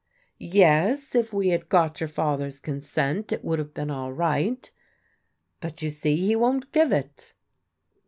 "Yes, if we had got your father's consent it would have been all right, but you see he won't give it."